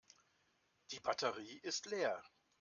Die Batterie ist leer.